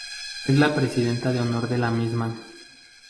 Es la Presidenta de honor de la misma.